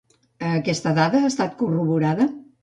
Aquesta dada ha estat corroborada?